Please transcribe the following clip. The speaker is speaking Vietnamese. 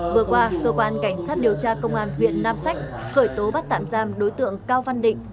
vừa qua cơ quan cảnh sát điều tra công an huyện nam sách khởi tố bắt tạm giam đối tượng cao văn định